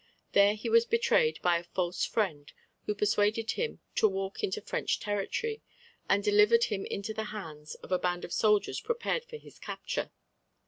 There he was betrayed by a false friend, who persuaded him to walk into French territory, and delivered him into the hands of a band of soldiers prepared for his capture.